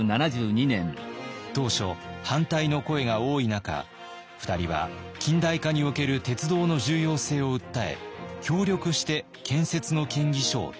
当初反対の声が多い中２人は近代化における鉄道の重要性を訴え協力して建設の建議書を提出。